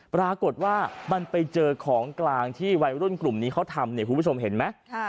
ปรากฏว่ามันไปเจอของกลางที่วัยรุ่นกลุ่มนี้เขาทำเนี่ยคุณผู้ชมเห็นไหม